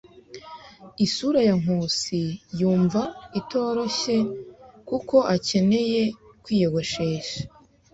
Isura ya Nkusi yumva itoroshye kuko akeneye kwiyogoshesha.